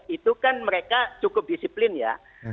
itu kan mereka cukup disiplin ya